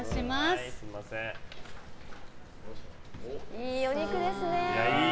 いいお肉ですね。